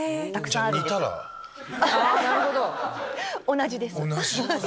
同じです。